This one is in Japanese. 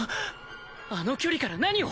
あの距離から何を！？